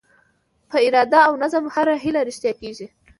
په اراده او نظم هره هیله رښتیا کېږي.